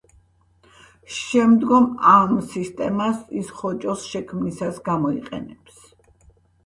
შემდომ ამ სისტემას ის ხოჭოს შექმნისას გამოიყენებს.